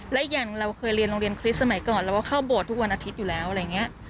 และอย่างเราเคยเรียนโรงเรียนคริสต์สมัยก่อนเราก็เข้าโบสถทุกวันอาทิตย์อยู่แล้วอะไรอย่างนี้